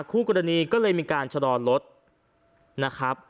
คู่กรณีก็เลยมีการชะลอรถนะครับ